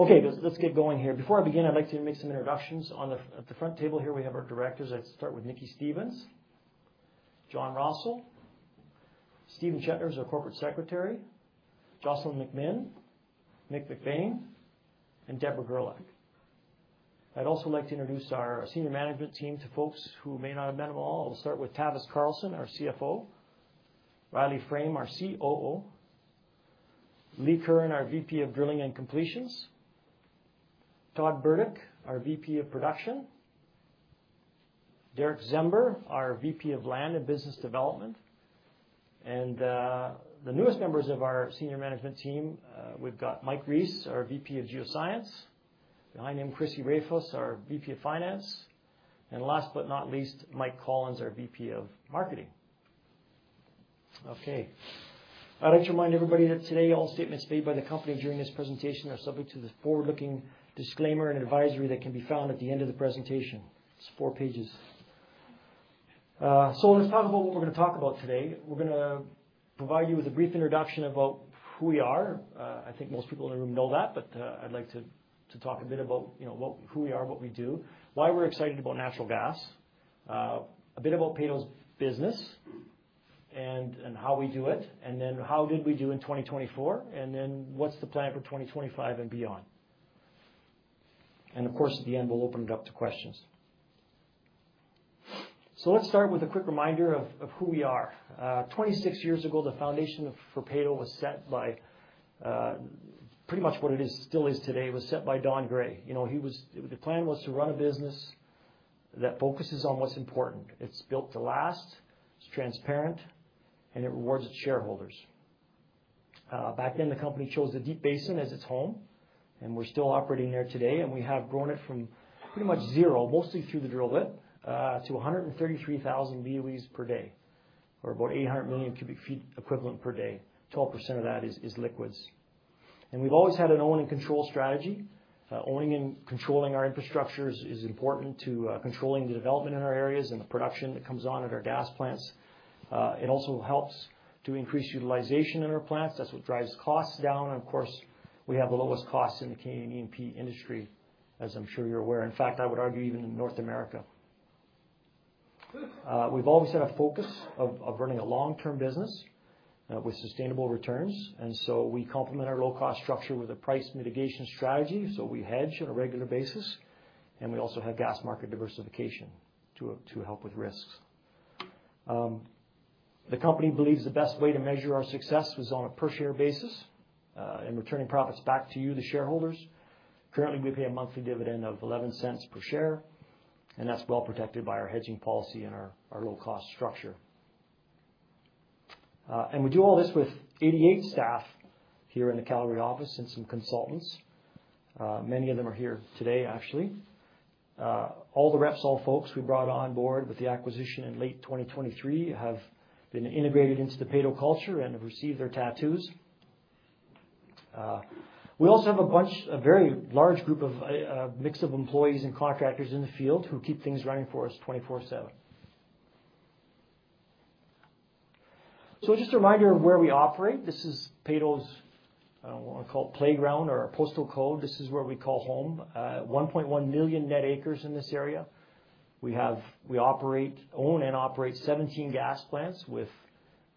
Okay, let's get going here. Before I begin, I'd like to make some introductions. On the front table here, we have our directors. I'd start with Nicki Stevens, John Rossall, Stephen Chetner, who's our corporate secretary, Jocelyn McMinn, Michael MacBean, and Debra Gerlach. I'd also like to introduce our senior management team to folks who may not have met them all. I'll start with Tavis Carlson, our CFO; Riley Frame, our COO; Lee Curran, our VP of Drilling and Completions; Todd Burdick, our VP of Production; Derick Czember, our VP of Land and Business Development; and the newest members of our senior management team. We've got Mike Rees, our VP of Geoscience; behind him, Crissy Rafoss, our VP of Finance; and last but not least, Mike Collins, our VP of Marketing. Okay. I'd like to remind everybody that today, all statements made by the company during this presentation are subject to the forward-looking disclaimer and advisory that can be found at the end of the presentation. It's four pages. So let's talk about what we're going to talk about today. We're going to provide you with a brief introduction about who we are. I think most people in the room know that, but I'd like to talk a bit about who we are, what we do, why we're excited about natural gas, a bit about Peyto's business and how we do it, and then how did we do in 2024, and then what's the plan for 2025 and beyond. And of course, at the end, we'll open it up to questions. So let's start with a quick reminder of who we are. 26 years ago, the foundation for Peyto was set by pretty much what it still is today. It was set by Don Gray. The plan was to run a business that focuses on what's important. It's built to last, it's transparent, and it rewards its shareholders. Back then, the company chose the Deep Basin as its home, and we're still operating there today, and we have grown it from pretty much zero, mostly through the drill bit, to 133,000 BOEs per day, or about 800 million cubic feet equivalent per day. 12% of that is liquids, and we've always had an own and control strategy. Owning and controlling our infrastructure is important to controlling the development in our areas and the production that comes on at our gas plants. It also helps to increase utilization in our plants. That's what drives costs down. Of course, we have the lowest costs in the Canadian E&P industry, as I'm sure you're aware. In fact, I would argue even in North America. We've always had a focus of running a long-term business with sustainable returns, and so we complement our low-cost structure with a price mitigation strategy. We hedge on a regular basis, and we also have gas market diversification to help with risks. The company believes the best way to measure our success was on a per-share basis and returning profits back to you, the shareholders. Currently, we pay a monthly dividend of $0.11 per share, and that's well protected by our hedging policy and our low-cost structure. We do all this with 88 staff here in the Calgary office and some consultants. Many of them are here today, actually. All the reps, all folks we brought on board with the acquisition in late 2023 have been integrated into the Peyto culture and have received their tattoos. We also have a very large group of mix of employees and contractors in the field who keep things running for us 24/7. So just a reminder of where we operate. This is Peyto's, I don't want to call it playground or postal code. This is where we call home. 1.1 million net acres in this area. We own and operate 17 gas plants with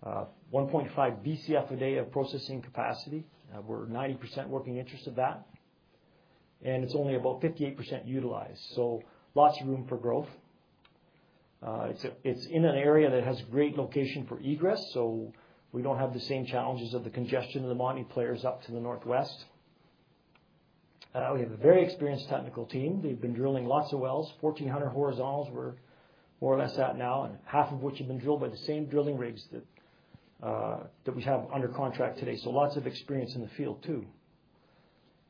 1.5 BCF a day of processing capacity. We're 90% working interest of that, and it's only about 58% utilized. So lots of room for growth. It's in an area that has a great location for egress, so we don't have the same challenges of the congestion of the Montney players up to the northwest. We have a very experienced technical team. They've been drilling lots of wells. 1,400 horizontals we're more or less at now, and half of which have been drilled by the same drilling rigs that we have under contract today. So lots of experience in the field too.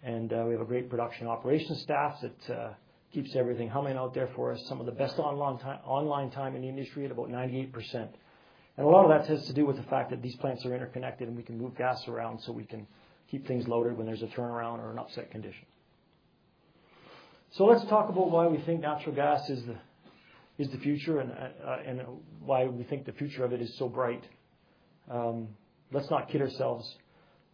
And we have a great production operations staff that keeps everything humming out there for us, some of the best online time in the industry at about 98%. And a lot of that has to do with the fact that these plants are interconnected and we can move gas around so we can keep things loaded when there's a turnaround or an upset condition. So let's talk about why we think natural gas is the future and why we think the future of it is so bright. Let's not kid ourselves.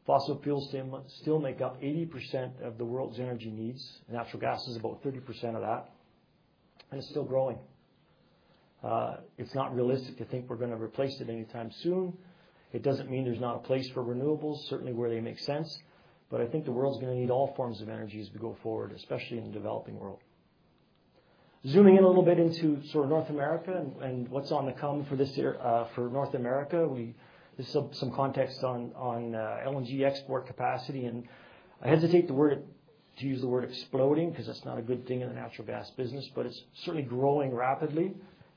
Fossil fuels still make up 80% of the world's energy needs. Natural gas is about 30% of that, and it's still growing. It's not realistic to think we're going to replace it anytime soon. It doesn't mean there's not a place for renewables, certainly where they make sense, but I think the world's going to need all forms of energy as we go forward, especially in the developing world. Zooming in a little bit into sort of North America and what's coming for North America. This is some context on LNG export capacity, and I hesitate to use the word exploding because that's not a good thing in the natural gas business, but it's certainly growing rapidly.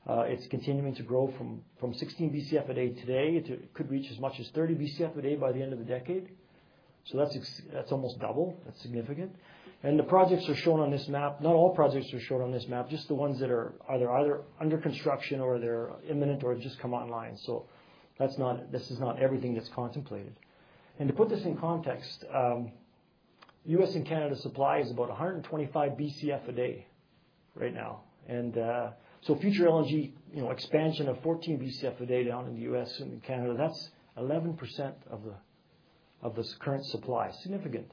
It's continuing to grow from 16 BCF a day today. It could reach as much as 30 BCF a day by the end of the decade. So that's almost double. That's significant. And the projects are shown on this map. Not all projects are shown on this map, just the ones that are either under construction or they're imminent or just come online, so this is not everything that's contemplated, and to put this in context, U.S. and Canada supply is about 125 BCF a day right now, and so future LNG expansion of 14 BCF a day down in the U.S. and in Canada, that's 11% of the current supply. Significant.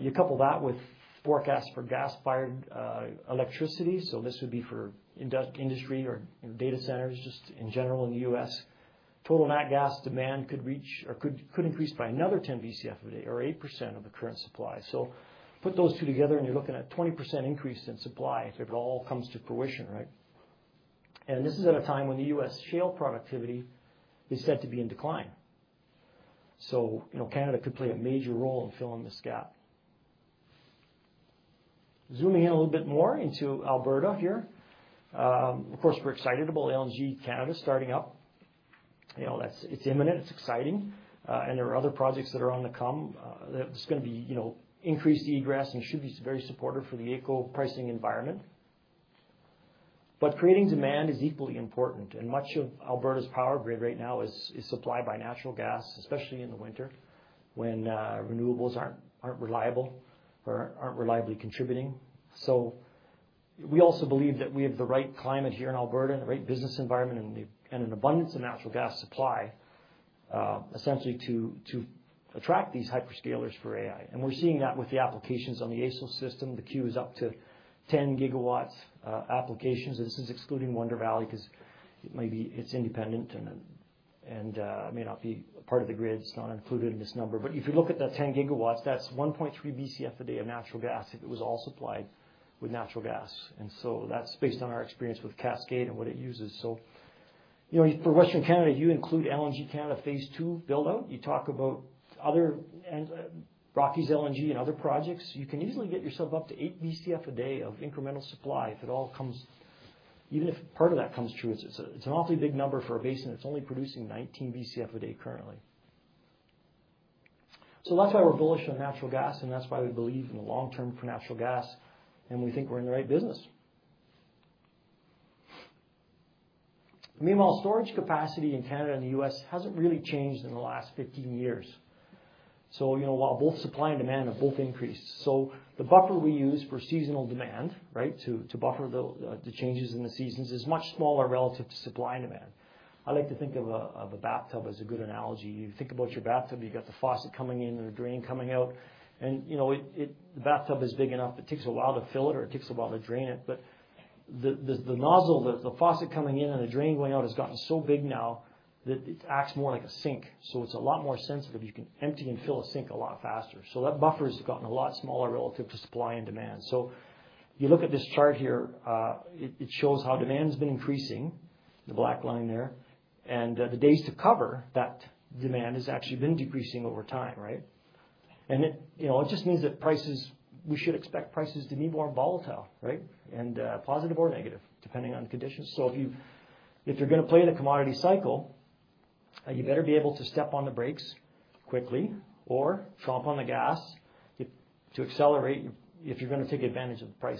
You couple that with forecasts for gas-fired electricity, so this would be for industry or data centers just in general in the U.S., total net gas demand could increase by another 10 BCF a day or 8% of the current supply, so put those two together, and you're looking at a 20% increase in supply if it all comes to fruition, right, and this is at a time when the U.S. Shale productivity is said to be in decline. So Canada could play a major role in filling this gap. Zooming in a little bit more into Alberta here. Of course, we're excited about LNG Canada starting up. It's imminent. It's exciting. And there are other projects that are on the come. There's going to be increased egress, and it should be very supportive for the AECO pricing environment. But creating demand is equally important, and much of Alberta's power grid right now is supplied by natural gas, especially in the winter when renewables aren't reliable or aren't reliably contributing. So we also believe that we have the right climate here in Alberta and the right business environment and an abundance of natural gas supply, essentially, to attract these hyperscalers for AI. And we're seeing that with the applications on the AESO system. The queue is up to 10 gigawatts applications. This is excluding Wonder Valley because it's independent and may not be part of the grid. It's not included in this number. But if you look at the 10 gigawatts, that's 1.3 BCF a day of natural gas if it was all supplied with natural gas. And so that's based on our experience with Cascade and what it uses. So for Western Canada, you include LNG Canada phase two build-out. You talk about Rockies LNG and other projects. You can easily get yourself up to 8 BCF a day of incremental supply if it all comes. Even if part of that comes true, it's an awfully big number for a basin. It's only producing 19 BCF a day currently. So that's why we're bullish on natural gas, and that's why we believe in the long term for natural gas, and we think we're in the right business. Meanwhile, storage capacity in Canada and the U.S. hasn't really changed in the last 15 years. So while both supply and demand have both increased, the buffer we use for seasonal demand, right, to buffer the changes in the seasons is much smaller relative to supply and demand. I like to think of a bathtub as a good analogy. You think about your bathtub. You've got the faucet coming in and the drain coming out. And the bathtub is big enough. It takes a while to fill it, or it takes a while to drain it. But the nozzle, the faucet coming in and the drain going out has gotten so big now that it acts more like a sink. So it's a lot more sensitive. You can empty and fill a sink a lot faster. So that buffer has gotten a lot smaller relative to supply and demand. So you look at this chart here. It shows how demand has been increasing, the black line there, and the days to cover that demand has actually been decreasing over time, right? And it just means that we should expect prices to be more volatile, right, and positive or negative, depending on conditions. So if you're going to play the commodity cycle, you better be able to step on the brakes quickly or chomp on the gas to accelerate if you're going to take advantage of the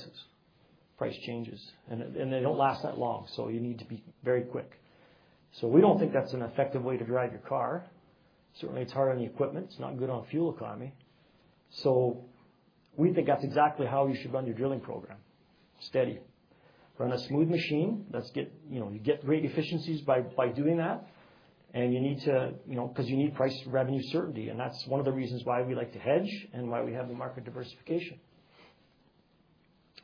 price changes. And they don't last that long, so you need to be very quick. So we don't think that's an effective way to drive your car. Certainly, it's hard on the equipment. It's not good on fuel economy. So we think that's exactly how you should run your drilling program: steady. Run a smooth machine. You get great efficiencies by doing that, and you need to because you need price revenue certainty. And that's one of the reasons why we like to hedge and why we have the market diversification.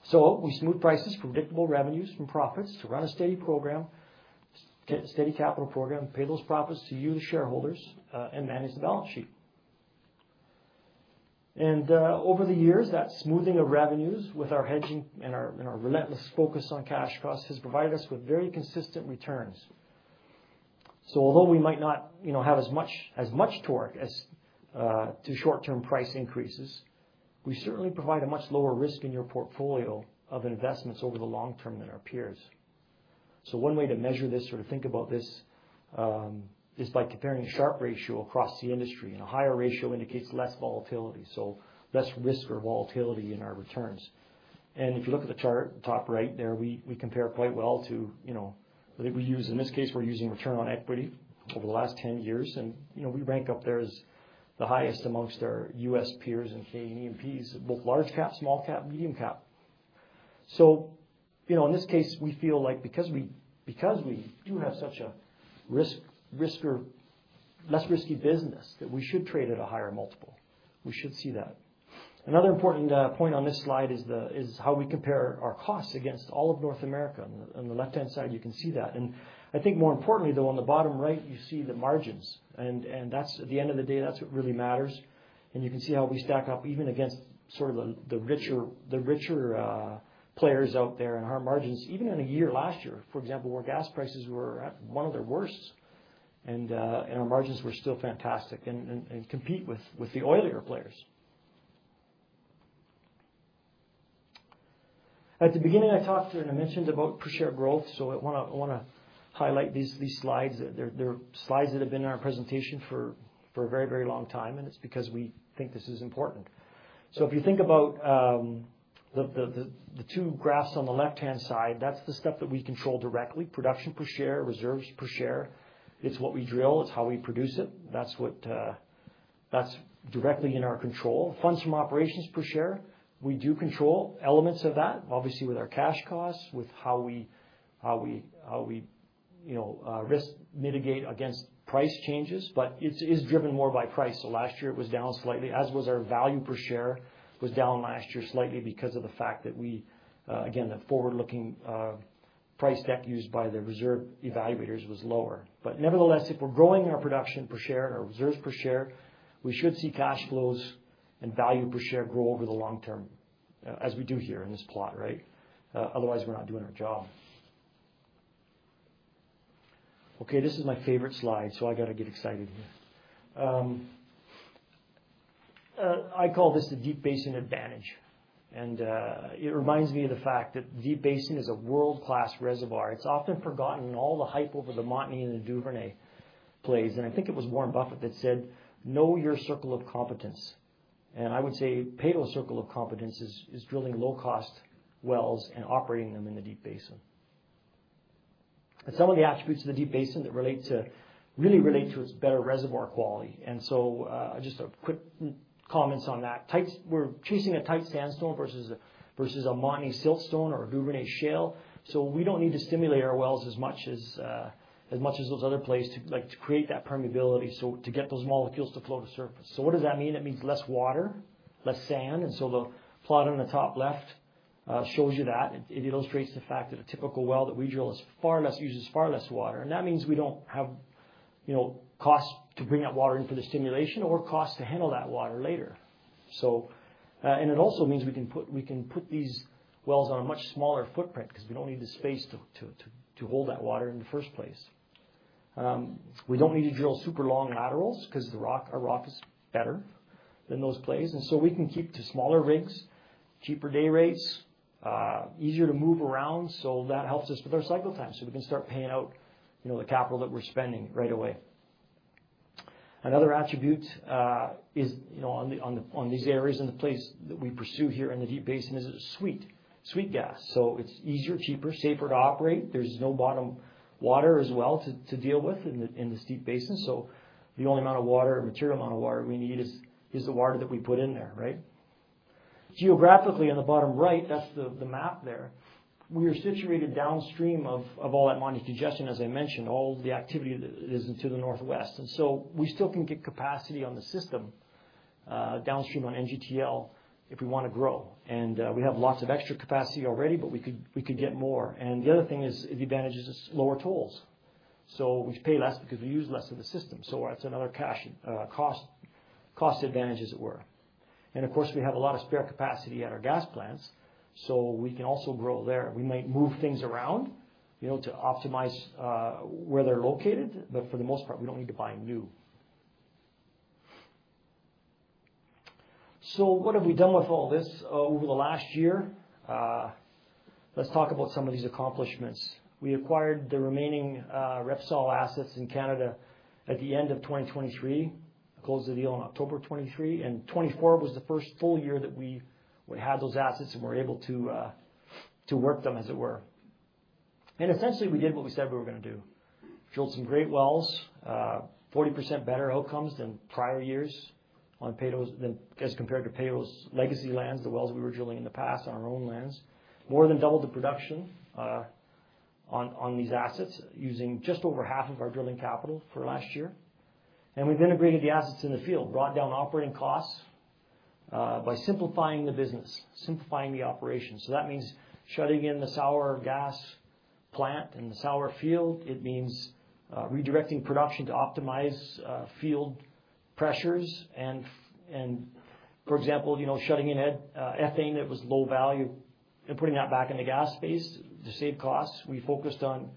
So we smooth prices from predictable revenues from profits to run a steady program, steady capital program, pay those profits to you, the shareholders, and manage the balance sheet. And over the years, that smoothing of revenues with our hedging and our relentless focus on cash costs has provided us with very consistent returns. So although we might not have as much torque to short-term price increases, we certainly provide a much lower risk in your portfolio of investments over the long term than our peers. So one way to measure this or to think about this is by comparing a Sharpe Ratio across the industry. A higher ratio indicates less volatility, so less risk or volatility in our returns. If you look at the chart top right there, we compare quite well to I think we use in this case, we're using return on equity over the last 10 years. We rank up there as the highest amongst our U.S. peers in Canadian E&Ps, both large cap, small cap, medium cap. In this case, we feel like because we do have such a less risky business that we should trade at a higher multiple. We should see that. Another important point on this slide is how we compare our costs against all of North America. On the left-hand side, you can see that. I think more importantly, though, on the bottom right, you see the margins. At the end of the day, that's what really matters. And you can see how we stack up even against sort of the richer players out there and our margins. Even in a year last year, for example, where gas prices were at one of their worst, and our margins were still fantastic and compete with the oilier players. At the beginning, I talked and I mentioned about per-share growth. So I want to highlight these slides. They're slides that have been in our presentation for a very, very long time, and it's because we think this is important. So if you think about the two graphs on the left-hand side, that's the stuff that we control directly: production per share, reserves per share. It's what we drill. It's how we produce it. That's directly in our control. Funds from operations per share, we do control elements of that, obviously, with our cash costs, with how we risk mitigate against price changes. But it is driven more by price, so last year, it was down slightly, as was our value per share, was down last year slightly because of the fact that, again, the forward-looking price deck used by the reserve evaluators was lower. But nevertheless, if we're growing our production per share and our reserves per share, we should see cash flows and value per share grow over the long term as we do here in this plot, right? Otherwise, we're not doing our job. Okay, this is my favorite slide, so I got to get excited here. I call this the Deep Basin advantage, and it reminds me of the fact that the Deep Basin is a world-class reservoir. It's often forgotten, and all the hype over the Montney and the Duvernay plays. And I think it was Warren Buffett that said, "Know your circle of competence." And I would say Peyto's circle of competence is drilling low-cost wells and operating them in the Deep Basin. And some of the attributes of the Deep Basin really relate to its better reservoir quality. And so just a quick comment on that. We're chasing a tight sandstone versus a Montney siltstone or a Duvernay shale. So we don't need to stimulate our wells as much as those other plays to create that permeability to get those molecules to float to surface. So what does that mean? It means less water, less sand. And so the plot on the top left shows you that. It illustrates the fact that a typical well that we drill uses far less water. And that means we don't have costs to bring that water in for the stimulation or costs to handle that water later. And it also means we can put these wells on a much smaller footprint because we don't need the space to hold that water in the first place. We don't need to drill super long laterals because our rock is better than those plays. And so we can keep to smaller rigs, cheaper day rates, easier to move around. So that helps us with our cycle time. So we can start paying out the capital that we're spending right away. Another attribute on these areas and the plays that we pursue here in the Deep Basin is it's a sweet gas. So it's easier, cheaper, safer to operate. There's no bottom water as well to deal with in this Deep Basin. The only amount of water, material amount of water we need is the water that we put in there, right? Geographically, on the bottom right, that's the map there. We are situated downstream of all that Montney digestion, as I mentioned, all the activity that is to the northwest. We still can get capacity on the system downstream on NGTL if we want to grow. We have lots of extra capacity already, but we could get more. The other thing is the advantage is it's lower tolls. We pay less because we use less of the system. That's another cost advantage, as it were. Of course, we have a lot of spare capacity at our gas plants, so we can also grow there. We might move things around to optimize where they're located, but for the most part, we don't need to buy new. So what have we done with all this over the last year? Let's talk about some of these accomplishments. We acquired the remaining Repsol assets in Canada at the end of 2023, closed the deal in October 2023. And 2024 was the first full year that we had those assets and were able to work them, as it were. And essentially, we did what we said we were going to do. Drilled some great wells, 40% better outcomes than prior years as compared to Peyto's legacy lands, the wells we were drilling in the past on our own lands. More than doubled the production on these assets using just over half of our drilling capital for last year. We've integrated the assets in the field, brought down operating costs by simplifying the business, simplifying the operations, so that means shutting in the Sour Gas plant and the Sour Field. It means redirecting production to optimize field pressures, and for example, shutting in ethane that was low value and putting that back in the gas space to save costs. We focused on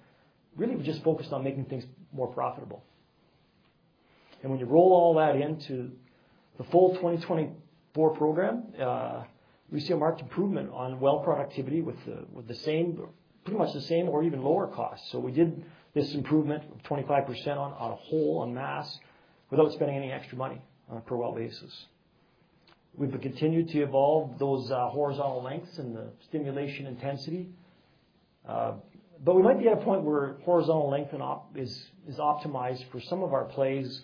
really, we just focused on making things more profitable, and when you roll all that into the full 2024 program, we see a marked improvement on well productivity with pretty much the same or even lower costs, so we did this improvement of 25% on the whole, en masse without spending any extra money per well basis. We've continued to evolve those horizontal lengths and the stimulation intensity. But we might be at a point where horizontal length is optimized for some of our plays,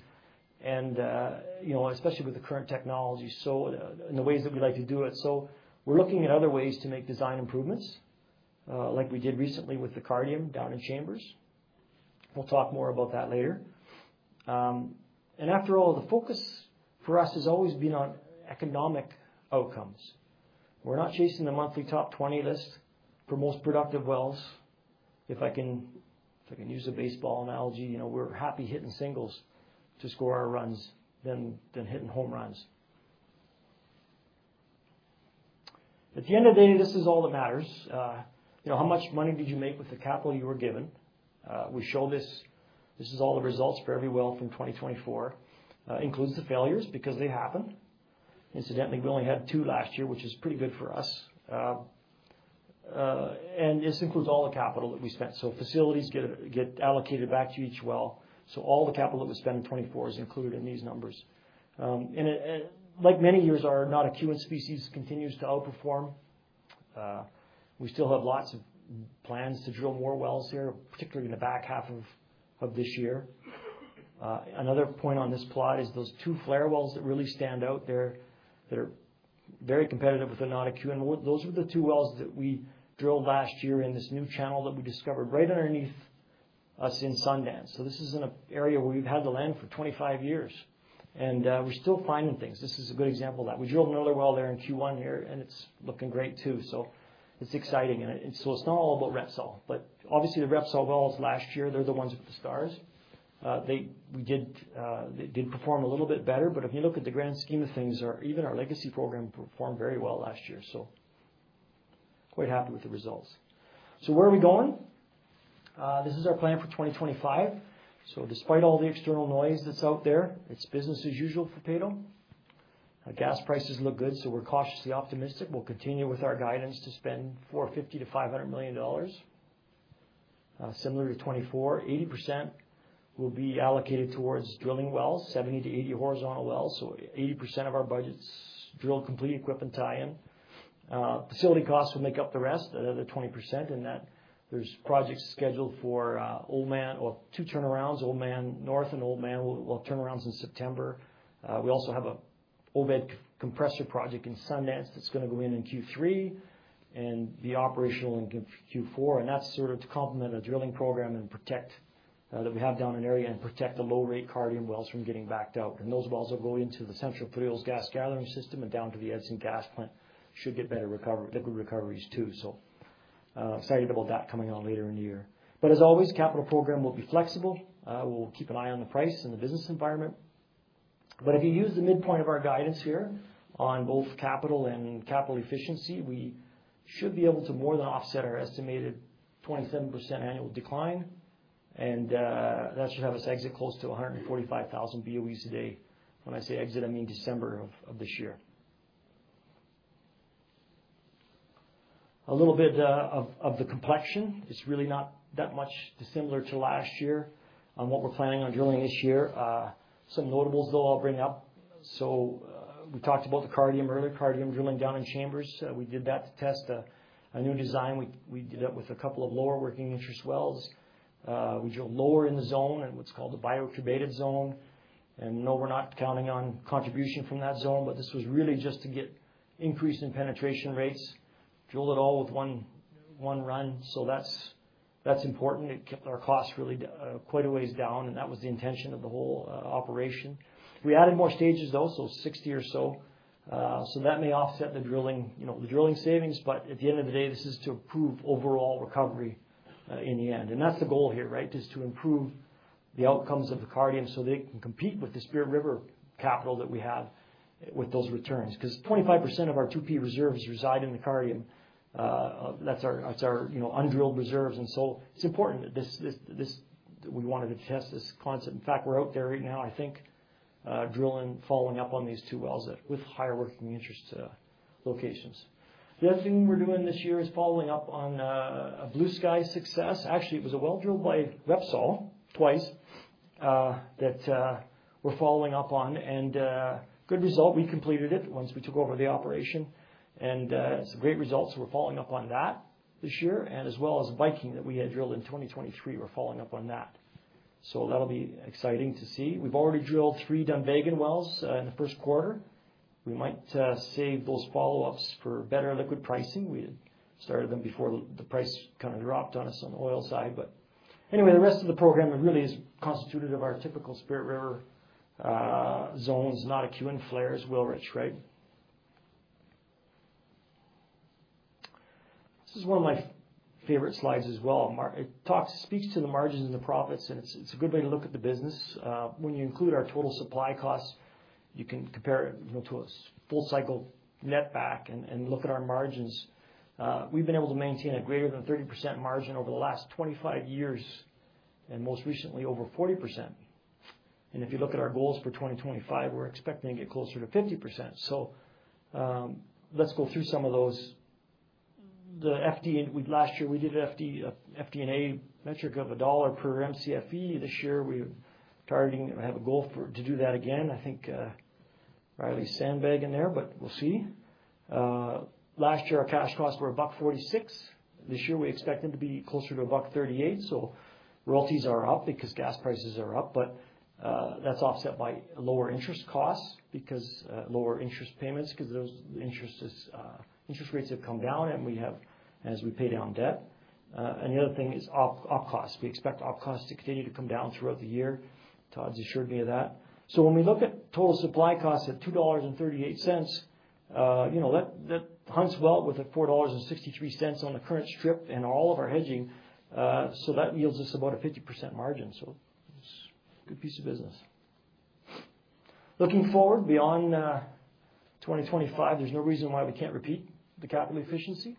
especially with the current technology and the ways that we like to do it. So we're looking at other ways to make design improvements, like we did recently with the Cardium down in Chambers. We'll talk more about that later. And after all, the focus for us has always been on economic outcomes. We're not chasing the monthly top 20 list for most productive wells. If I can use a baseball analogy, we're happy hitting singles to score our runs than hitting home runs. At the end of the day, this is all that matters. How much money did you make with the capital you were given? We show this is all the results for every well from 2024. It includes the failures because they happened. Incidentally, we only had two last year, which is pretty good for us. This includes all the capital that we spent. Facilities get allocated back to each well. All the capital that was spent in 2024 is included in these numbers. Like many years, our Notikewin continues to outperform. We still have lots of plans to drill more wells here, particularly in the back half of this year. Another point on this plot is those two Falher wells that really stand out. They're very competitive with the Notikewin. Those were the two wells that we drilled last year in this new channel that we discovered right underneath us in Sundance. This is an area where we've had the land for 25 years, and we're still finding things. This is a good example of that. We drilled another well there in Q1 here, and it's looking great too. So it's exciting. And so it's not all about Repsol. But obviously, the Repsol wells last year, they're the ones with the stars. They did perform a little bit better. But if you look at the grand scheme of things, even our legacy program performed very well last year. So quite happy with the results. So where are we going? This is our plan for 2025. So despite all the external noise that's out there, it's business as usual for Peyto. Gas prices look good, so we're cautiously optimistic. We'll continue with our guidance to spend 450 million-500 million dollars, similar to 2024. 80% will be allocated towards drilling wells, 70-80 horizontal wells. So 80% of our budget's drilled complete equipment tie-in. Facility costs will make up the rest, another 20%. And there's projects scheduled for Oldman and two turnarounds. Oldman North and Oldman will have turnarounds in September. We also have an Obed compressor project in Sundance that's going to go in in Q3 and be operational in Q4. And that's sort of to complement a drilling program that we have down in area and protect the low-rate Cardium wells from getting backed out. And those wells will go into the central fuel gas gathering system and down to the Edson gas plant. Should get better liquid recoveries too. So excited about that coming on later in the year. But as always, capital program will be flexible. We'll keep an eye on the price and the business environment. But if you use the midpoint of our guidance here on both capital and capital efficiency, we should be able to more than offset our estimated 27% annual decline. And that should have us exit close to 145,000 BOEs a day. When I say exit, I mean December of this year. A little bit of the complexion. It's really not that much similar to last year on what we're planning on drilling this year. Some notables, though, I'll bring up. So we talked about the Cardium earlier, Cardium drilling down in Chambers. We did that to test a new design. We did that with a couple of lower working interest wells. We drilled lower in the zone in what's called the bioturbated zone. And no, we're not counting on contribution from that zone. But this was really just to get increased in penetration rates, drilled it all with one run. So that's important. It kept our costs quite a ways down. And that was the intention of the whole operation. We added more stages, though, so 60 or so. So that may offset the drilling savings. But at the end of the day, this is to improve overall recovery in the end. And that's the goal here, right? Just to improve the outcomes of the Cardium so they can compete with the Spirit River capital that we have with those returns. Because 25% of our 2P reserves reside in the Cardium. That's our undrilled reserves. And so it's important that we wanted to test this concept. In fact, we're out there right now, I think, drilling, following up on these two wells with higher working interest locations. The other thing we're doing this year is following up on a Bluesky success. Actually, it was a well drilled by Repsol twice that we're following up on. And good result. We completed it once we took over the operation. And it's a great result. So we're following up on that this year. And as well as Viking that we had drilled in 2023, we're following up on that. So that'll be exciting to see. We've already drilled three Dunvegan wells in the first quarter. We might save those follow-ups for better liquid pricing. We started them before the price kind of dropped on us on the oil side. But anyway, the rest of the program really is constituted of our typical Spirit River zones, Notikewin in Falher, Wilrich, right? This is one of my favorite slides as well. It speaks to the margins and the profits. And it's a good way to look at the business. When you include our total supply costs, you can compare it to a full-cycle netback and look at our margins. We've been able to maintain a greater than 30% margin over the last 25 years and most recently over 40%. And if you look at our goals for 2025, we're expecting to get closer to 50%. So let's go through some of those. Last year, we did an FD&A metric of $1 per MCFE. This year, we have a goal to do that again. I think Riley sandbagged in there, but we'll see. Last year, our cash costs were $1.46. This year, we expect them to be closer to $1.38. So royalties are up because gas prices are up. But that's offset by lower interest costs because lower interest payments because the interest rates have come down and we have as we pay down debt. And the other thing is op costs. We expect op costs to continue to come down throughout the year. Todd's assured me of that. So when we look at total supply costs at 2.38 dollars, that hunts well with a 4.63 dollars on the current strip and all of our hedging. So that yields us about a 50% margin. So it's a good piece of business. Looking forward beyond 2025, there's no reason why we can't repeat the capital efficiency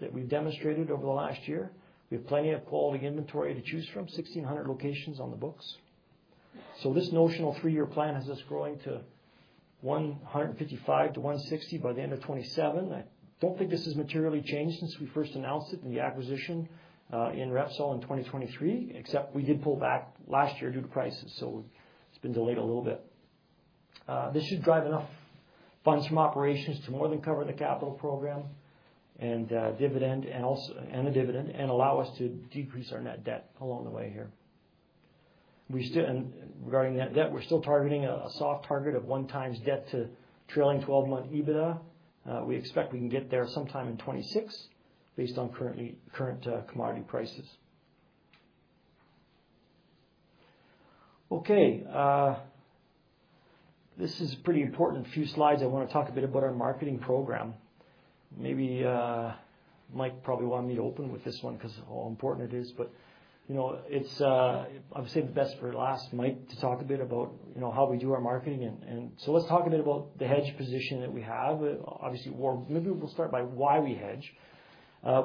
that we've demonstrated over the last year. We have plenty of quality inventory to choose from, 1,600 locations on the books. So this notional three-year plan has us growing to 155-160 by the end of 2027. I don't think this has materially changed since we first announced it in the acquisition in Repsol in 2023, except we did pull back last year due to prices. So it's been delayed a little bit. This should drive enough funds from operations to more than cover the capital program and the dividend and allow us to decrease our net debt along the way here. Regarding that debt, we're still targeting a soft target of one times debt to trailing 12-month EBITDA. We expect we can get there sometime in 2026 based on current commodity prices. Okay. This is a pretty important few slides. I want to talk a bit about our marketing program. Mike probably wanted me to open with this one because of how important it is. But I've saved the best for last, Mike, to talk a bit about how we do our marketing. And so let's talk a bit about the hedge position that we have. Obviously, maybe we'll start by why we hedge.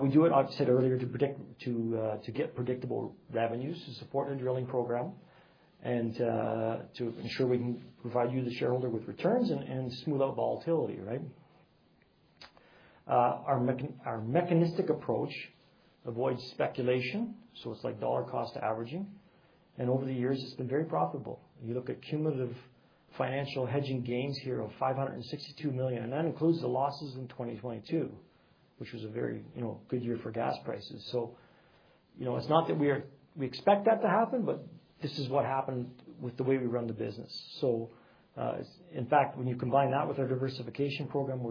We do it, I've said earlier, to get predictable revenues to support our drilling program and to ensure we can provide you, the shareholder, with returns and smooth out volatility, right? Our mechanistic approach avoids speculation. So it's like dollar cost averaging. And over the years, it's been very profitable. You look at cumulative financial hedging gains here of 562 million. And that includes the losses in 2022, which was a very good year for gas prices. So it's not that we expect that to happen, but this is what happened with the way we run the business. So in fact, when you combine that with our diversification program,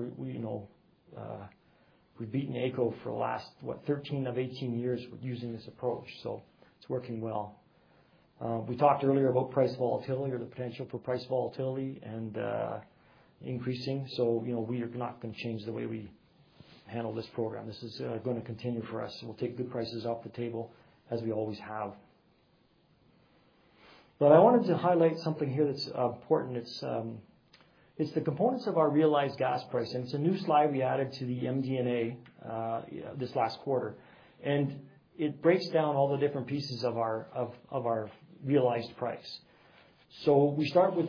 we've beaten AECO for the last, what, 13 of 18 years using this approach. So it's working well. We talked earlier about price volatility or the potential for price volatility and increasing. So we are not going to change the way we handle this program. This is going to continue for us. We'll take good prices off the table as we always have. But I wanted to highlight something here that's important. It's the components of our realized gas price. And it's a new slide we added to the MD&A this last quarter. And it breaks down all the different pieces of our realized price. So we start with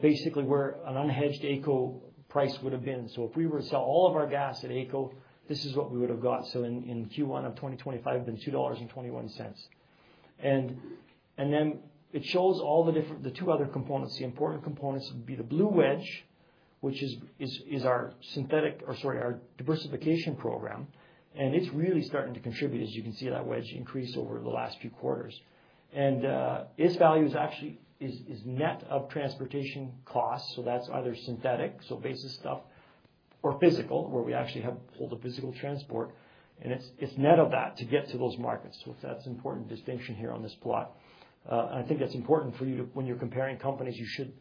basically where an unhedged AECO price would have been. So if we were to sell all of our gas at AECO, this is what we would have got. So in Q1 of 2025, it'd have been 2.21. And then it shows all the two other components. The important components would be the blue wedge, which is our synthetic or, sorry, our diversification program. And it's really starting to contribute, as you can see that wedge increase over the last few quarters. And its value is actually net of transportation costs. So that's either synthetic, so basic stuff, or physical, where we actually have pulled the physical transport. And it's net of that to get to those markets. So that's an important distinction here on this plot. And I think it's important for you to, when you're comparing companies, you should,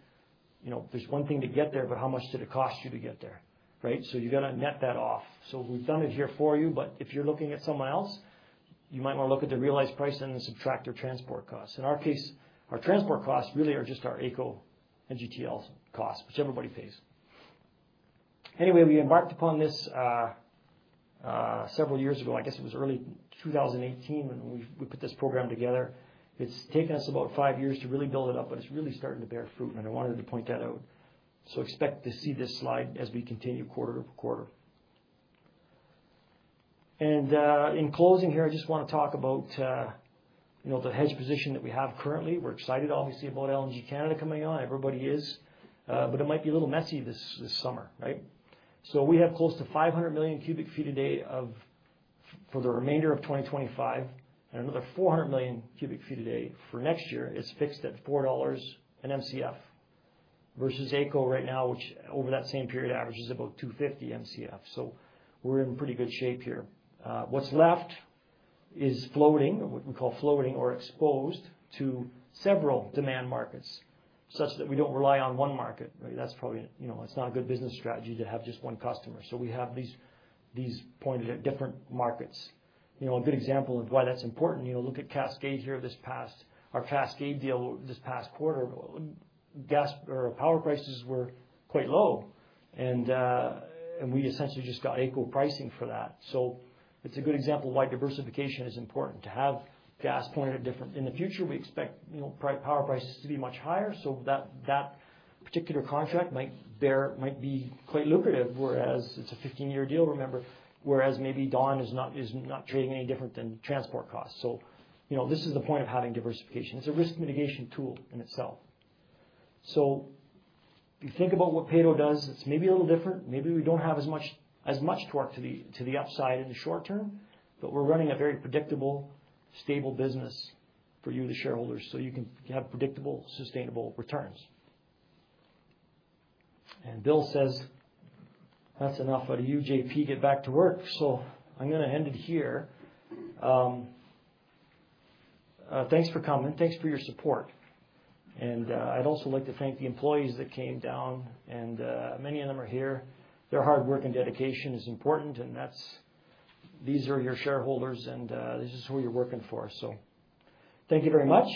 there's one thing to get there, but how much did it cost you to get there, right? So you've got to net that off. So we've done it here for you. But if you're looking at someone else, you might want to look at the realized price and then subtract their transport costs. In our case, our transport costs really are just our AECO and NGTL costs, which everybody pays. Anyway, we embarked upon this several years ago. I guess it was early 2018 when we put this program together. It's taken us about five years to really build it up, but it's really starting to bear fruit. And I wanted to point that out. So expect to see this slide as we continue quarter to quarter. And in closing here, I just want to talk about the hedge position that we have currently. We're excited, obviously, about LNG Canada coming on. Everybody is. But it might be a little messy this summer, right? So we have close to 500 million cubic feet a day for the remainder of 2025 and another 400 million cubic feet a day for next year. It's fixed at $4 an MCF versus AECO right now, which over that same period averages about 250 MCF. We're in pretty good shape here. What's left is floating, what we call floating or exposed to several demand markets such that we don't rely on one market. That's probably not a good business strategy to have just one customer. We have these pointed at different markets. A good example of why that's important, look at Cascade here this past, our Cascade deal this past quarter, power prices were quite low. We essentially just got AECO pricing for that. It's a good example of why diversification is important to have gas pointed at different. In the future, we expect power prices to be much higher. That particular contract might be quite lucrative, whereas it's a 15-year deal, remember, whereas maybe Dawn is not trading any different than transport costs. This is the point of having diversification. It's a risk mitigation tool in itself. If you think about what Peyto does, it's maybe a little different. Maybe we don't have as much torque to the upside in the short term, but we're running a very predictable, stable business for you, the shareholders, so you can have predictable, sustainable returns. Bill says that's enough out of you, JP, get back to work. I'm going to end it here. Thanks for coming. Thanks for your support. I'd also like to thank the employees that came down. Many of them are here. Their hard work and dedication is important. These are your shareholders, and this is who you're working for. Thank you very much.